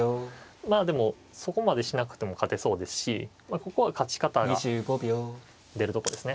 まあでもそこまでしなくても勝てそうですしここは勝ち方が出るとこですね。